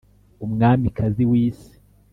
umwamikazi w'isi.